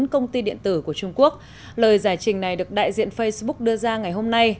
bốn công ty điện tử của trung quốc lời giải trình này được đại diện facebook đưa ra ngày hôm nay